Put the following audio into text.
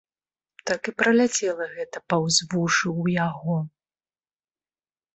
Так і праляцела гэта паўз вушы ў яго.